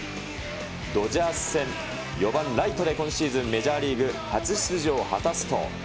ドジャース戦、４番ライトで今シーズン、メジャーリーグ初出場を果たすと。